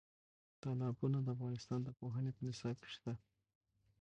تالابونه د افغانستان د پوهنې په نصاب کې شته.